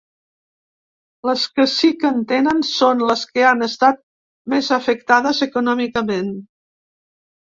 Les que sí que en tenen, són les que han estat més afectades econòmicament.